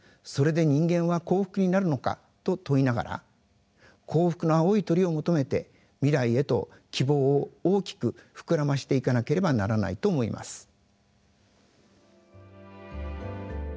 それで人間は幸福になるのかと問いながら幸福の青い鳥を求めて未来へと希望を大きく膨らましていかなければならないと思います。